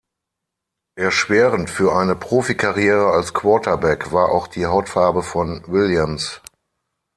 Erschwerend für eine Profikarriere als Quarterback war auch die Hautfarbe von Williams.